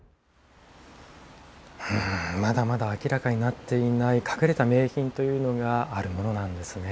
まだまだ明らかになっていない隠れた名品というのがあるものなんですね。